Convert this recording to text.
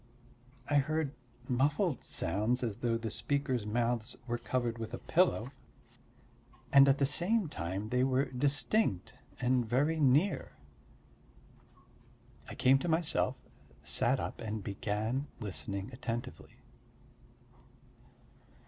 I heard muffled sounds as though the speakers' mouths were covered with a pillow, and at the same time they were distinct and very near. I came to myself, sat up and began listening attentively.